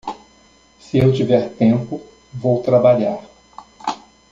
Se eu tiver tempo, vou trabalhar.